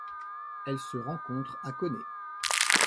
Elle se rencontre à Koné.